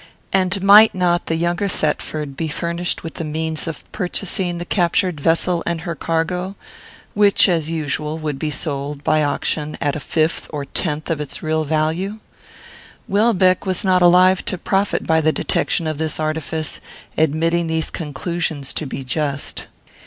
and might not the younger Thetford be furnished with the means of purchasing the captured vessel and her cargo, which, as usual, would be sold by auction at a fifth or tenth of its real value? Welbeck was not alive to profit by the detection of this artifice, admitting these conclusions to be just.